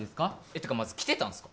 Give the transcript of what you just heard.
てかまず来てたんですか？